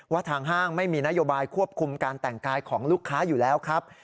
ทางห้างไม่มีนโยบายควบคุมการแต่งกายของลูกค้าอยู่แล้วครับ